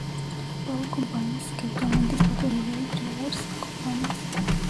Paul Companies, que actualmente es parte de The Travelers Companies.